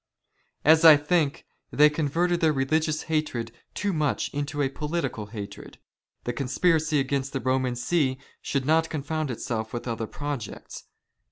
As " I think, they converted their religious hatred too much into a " political hatred. The conspiracy against the Roman See, should " not confound itself with other projects.